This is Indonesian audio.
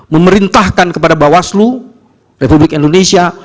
memerintahkan kepada bawaslu republik indonesia